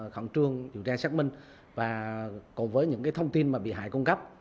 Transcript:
khẩn trương điều tra xác minh và cùng với những thông tin mà bị hại cung cấp